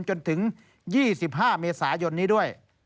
จนถึง๒๕เมษายนนี้ด้วย